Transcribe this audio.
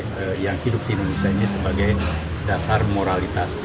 jadikan tiga nilai yang hidup di indonesia ini sebagai dasar moralitas